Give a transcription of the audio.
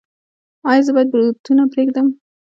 ایا زه باید بروتونه پریږدم؟